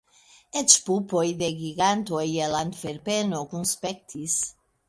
Eĉ pupoj de gigantoj el Antverpeno kunspektis.